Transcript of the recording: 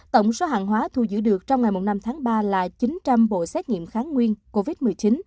tổng số hàng hóa thu giữ được trong ngày năm tháng ba là chín trăm linh bộ xét nghiệm kháng nguyên covid một mươi chín